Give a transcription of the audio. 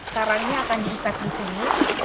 karangnya akan diikat di sini